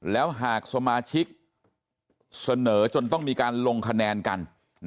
แล้วหากสมาชิกเสนอจนต้องมีการลงคะแนนกัน